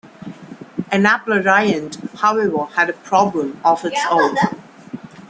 Enalaprilat, however, had a problem of its own.